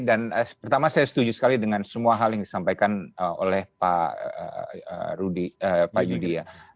dan pertama saya setuju sekali dengan semua hal yang disampaikan oleh pak yudi